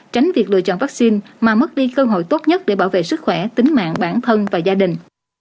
tránh việc lựa chọn vaccine mà mất đi cơ hội tốt nhất để bảo vệ sức khỏe tính mạng bản thân và gia đình